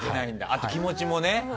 あと気持ちもね。